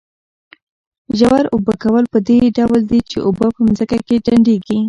ژور اوبه کول په دې ډول دي چې اوبه په ځمکه کې ډنډېږي.